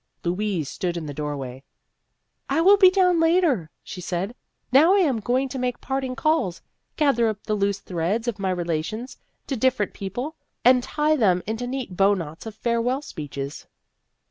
Louise stood in the doorway. " I will be down later," she said ;" now I am going to make parting calls gather up the loose threads of my relations to different people, and tie them into neat bow knots of farewell speeches."